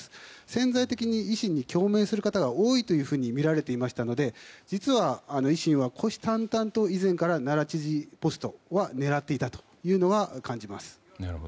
潜在的に維新に共鳴する方が多いというふうにみられていましたので実は維新は虎視眈々と以前から奈良知事ポストは狙っていたというのは感じます。